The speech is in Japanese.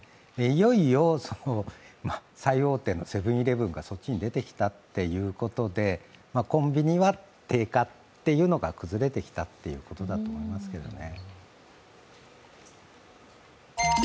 いよいよ最大手のセブン−イレブンがそっちに出てきたということでコンビニは定価というのが崩れてきたというとだと思いますけどね。